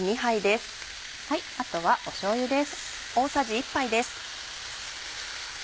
あとはしょうゆです。